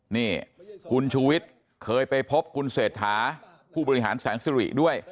นี่คุณชูวิทย์เคยไปพบคุณเศรษฐาผู้บริหารแสนสิริด้วย